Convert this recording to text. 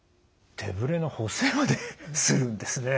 手ブレの補正までするんですね。